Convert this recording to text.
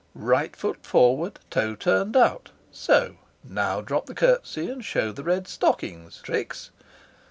"Right foot forward, toe turned out, so: now drop the curtsy, and show the red stockings, Trix.